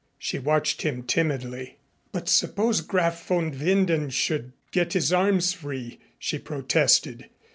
She watched him timidly. "But suppose Graf von Winden should get his arms free," she protested.